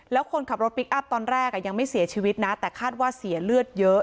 แล้วคนขับรถพลิกอัพตอนแรกยังไม่เสียชีวิตนะแต่คาดว่าเสียเลือดเยอะ